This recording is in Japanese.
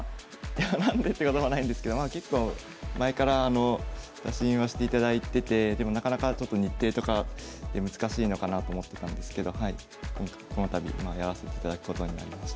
いや何でってこともないんですけど結構前から打診はしていただいててでもなかなかちょっと日程とかで難しいのかなと思ってたんですけどこの度まあやらせていただくことになりました。